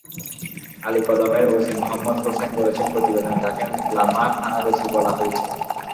আলীকদমের OC Mohammad Hossain বলেছেন, প্রতিবেদনে তাঁকে লামা থানার ওসি বলা হয়েছে।